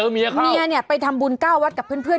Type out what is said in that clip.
เมียเนี่ยไปทำบุญก้าววัดกับเพื่อน